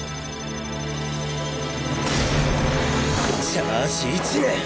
チャージ１年！